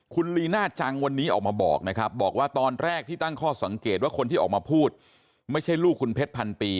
คุณลีน่าจังวันนี้ออกมาบอกนะครับบอกว่าตอนแรกที่ตั้งข้อสังเกตว่าคนที่ออกมาพูดไม่ใช่ลูกคุณเพชรพันปี